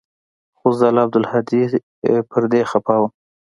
خو زه له عبدالهادي پر دې خپه وم.